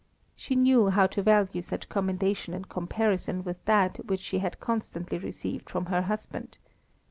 She knew how to value such commendation in comparison with that which she had constantly received from her husband.